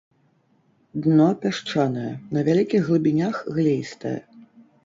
Дно пясчанае, на вялікіх глыбінях глеістае.